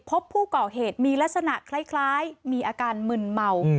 พบผู้ก่อเหตุมีลักษณะคล้ายมีอาการมึนเมา